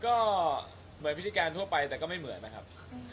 ก็เหมือนวิธีการทั่วไปแต่ก็ไม่เหมือนนะครับ